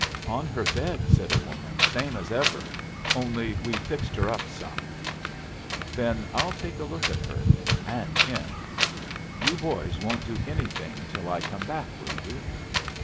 "On her bed," said a woman, "same as ever, only we've fixed her up some." "Then I'll take a look at her and him. You boys won't do anything till I come back, will you?"